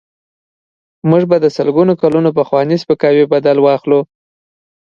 موږ به د سلګونو کلونو پخواني سپکاوي بدل واخلو.